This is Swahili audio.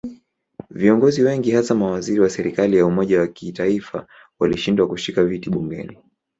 Viongozi wengi hasa mawaziri wa serikali ya umoja wa kitaifa walishindwa kushika viti bungeni.